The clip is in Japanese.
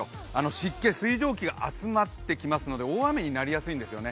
湿気、水蒸気が集まってきますので大雨になりやすいんですよね。